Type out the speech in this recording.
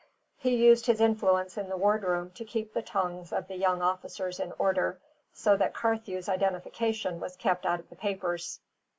He used his influence in the wardroom to keep the tongues of the young officers in order, so that Carthew's identification was kept out of the papers.